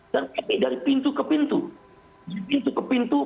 tapi dari pintu ke pintu